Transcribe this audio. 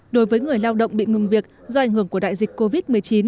đối với người lao động bị ngừng việc do ảnh hưởng của đại dịch covid một mươi chín